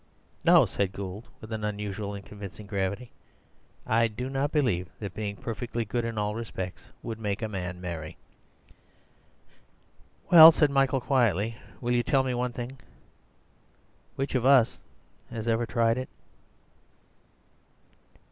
"No," said Gould, with an unusual and convincing gravity; "I do not believe that being perfectly good in all respects would make a man merry." "Well," said Michael quietly, "will you tell me one thing? Which of us has ever tried it?"